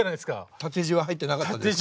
縦じわ入ってなかったですか？